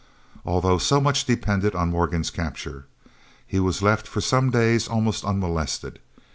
Although so much depended on Morgan's capture, he was left for some days almost unmolested.